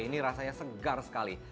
ini rasanya segar sekali